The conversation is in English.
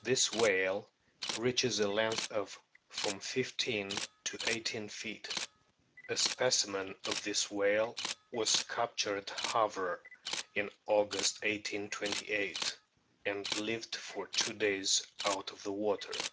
This whale reaches a length of from fifteen to eighteen feet. A specimen of this whale was captured at Havre in August, 1828, and lived for two days out of the water.